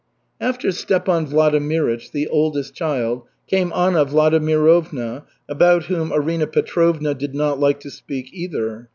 After Stepan Vladimirych, the oldest child, came Anna Vladimirovna, about whom Arina Petrovna did not like to speak either.